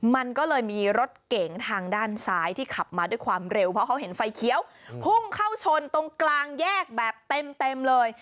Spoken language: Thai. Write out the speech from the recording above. มันก็เลยมีรถเก๋งทางด้านซ้ายที่ขับมาด้วยความเร็วเพราะเขาเห็นไฟเขียวพุ่งเข้าชนตรงกลางแยกแบบเต็มเลย